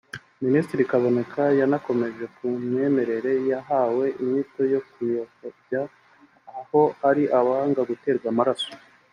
Minisitiri Kaboneka yanakomoje ku myemerere yahawe inyito yo kuyobya aho hari abanga guterwa amaraso